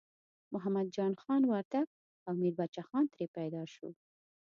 محمد جان خان وردګ او میربچه خان ترې پیدا شو.